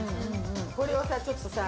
これをさちょっとさ